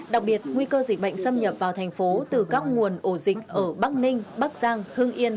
đặc biệt nguy cơ dịch bệnh xâm nhập vào thành phố từ các nguồn ổ dịch ở bắc ninh bắc giang hưng yên